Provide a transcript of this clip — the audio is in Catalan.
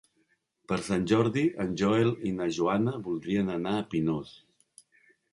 Per Sant Jordi en Joel i na Joana voldrien anar a Pinós.